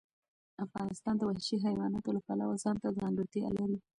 افغانستان د وحشي حیواناتو له پلوه ځانته ځانګړتیا لري.